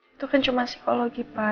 itu kan cuma psikologi pak